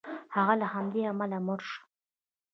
هغه له همدې امله مړ شو.